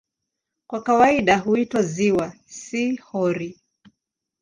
Kwa kawaida huitwa "ziwa", si "hori".